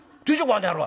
あの野郎」。